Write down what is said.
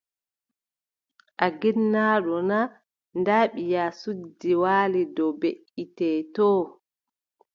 A ginnaaɗo naa, ndaa ɓiya suddi waali dow beʼitte too.